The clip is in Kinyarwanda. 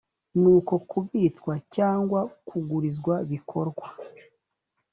ni uko kubitswa cyangwa kugurizwa bikorwa